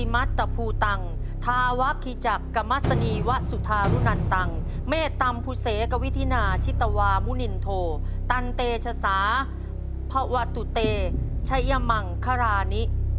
มัสนีวสุธารุนันตังเมตตำภุเสกวิธินาชิตวมุนินโธตันเตชสาพวตุเตชัยมังครานิ